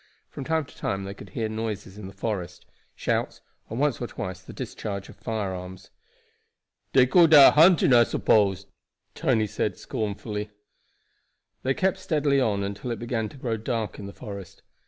From time to time they could hear noises in the forest shouts, and once or twice the discharge of firearms. "Dey call dat hunting, I s'pose," Tony said scornfully. They kept steadily on until it began to grow dark in the forest.